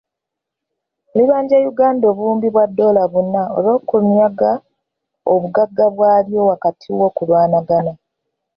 Libanja Uganda obuwumbi bwa ddoola buna olw’okunyaga ebyobugagga byalyo wakati w’okulwanagana.